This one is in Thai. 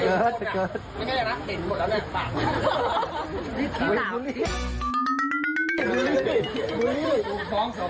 มันก็อย่ารักเห็นหมดแล้วหลังต่าง